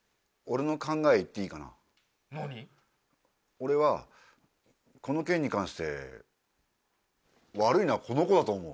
俺はこの件に関して悪いのはこの子だと思う。